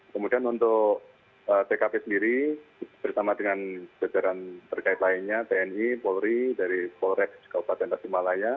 kemudian untuk tkp sendiri bersama dengan jajaran terkait lainnya tni polri dari polres kabupaten tasikmalaya